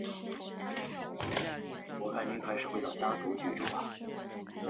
辖区内内有许多马牧场。